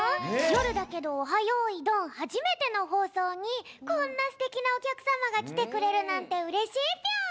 夜だけど「オハ！よいどん」はじめての放送にこんなすてきなおきゃくさまがきてくれるなんてうれしいぴょん！